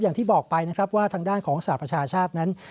อย่างที่บอกไปนะครับว่าทางด้านของสหประชาชาตินั้น